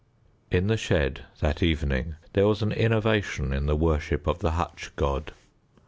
In the shed that evening there was an innovation in the worship of the hutch god.